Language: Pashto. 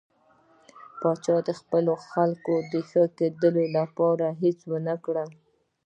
پاچا د خپلو خلکو د ښه کېدو لپاره هېڅ ونه کړل.